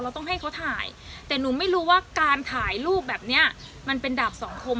ต้องให้เขาถ่ายแต่หนูไม่รู้ว่าการถ่ายรูปแบบเนี้ยมันเป็นดาบสองคม